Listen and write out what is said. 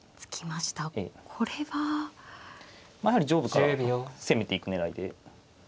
やはり上部から攻めていく狙いで。